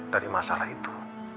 dari masalah itu